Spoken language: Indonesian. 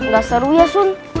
gak seru ya sun